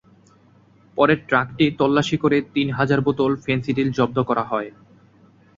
পরে ট্রাকটি তল্লাশি করে তিন হাজার বোতল ফেনসিডিল জব্দ করা হয়।